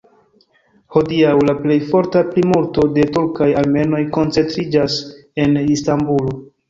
Hodiaŭ la plej forta plimulto de turkaj armenoj koncentriĝas en Istanbulo.